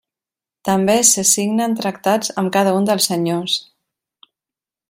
També se signen tractats amb cada un dels senyors.